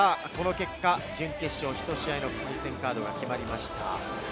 この結果、準決勝１試合目の対戦カードが決まりました。